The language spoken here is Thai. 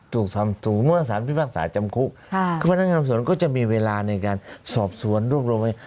ถูกทำถูกเมื่อสารพิพักษาจำคุกก็จะมีเวลาในการสอบสวนรูปลงไป